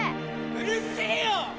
うるせえよ！